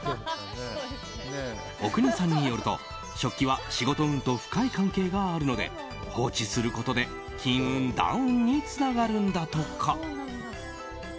阿国さんによると、食器は仕事運と深い関係があるので放置することで金運ダウンにつながるんだとか。